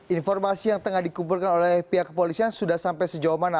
informasi yang tengah dikumpulkan oleh pihak kepolisian sudah sampai sejauh mana